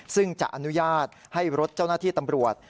ซึ่งจะอนุญาตให้รถเจ้าหน้าที่ตำรวจ